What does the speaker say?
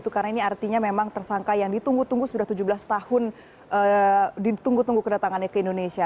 karena ini artinya memang tersangka yang ditunggu tunggu sudah tujuh belas tahun ditunggu tunggu kedatangannya ke indonesia